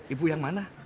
ibu yang mana